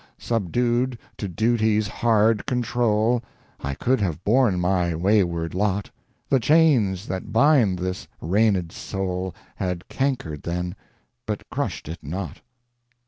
Subdued to duty's hard control, I could have borne my wayward lot: The chains that bind this rained soul Had cankered then, but crushed it not.